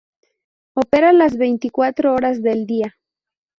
Opera las veinticuatro horas del día.